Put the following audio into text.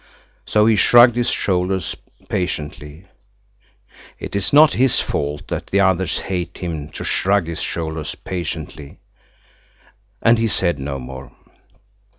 So he shrugged his shoulders patiently (it is not his fault that the others hate him to shrug his shoulders patiently) and he said no more.